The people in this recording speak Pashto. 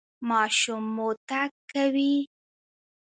ماشوم مو تګ کوي؟